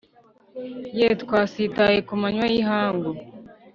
Ye twasitaye ku manywa y ihangu